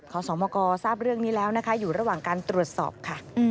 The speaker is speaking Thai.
ขอสมกทราบเรื่องนี้แล้วนะคะอยู่ระหว่างการตรวจสอบค่ะ